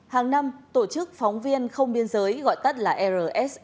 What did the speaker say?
hàng năm tổ chức phóng viên không biên giới gọi tắt là rs